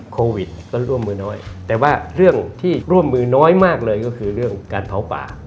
โควิดก็ร่วมมือน้อยแต่ว่าเรื่องที่ร่วมมือน้อยมากเลยก็คือเรื่องการเผาป่า